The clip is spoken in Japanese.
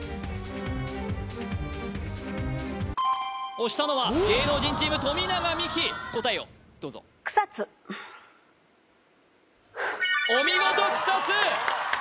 押したのは芸能人チーム富永美樹答えをどうぞお見事草津！